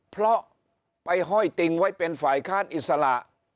เพราะไปห้อยติงไว้เป็นฝ่ายค้านอิสระ